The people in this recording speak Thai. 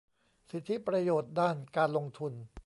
สิทธิประโยชน์ด้านการลงทุน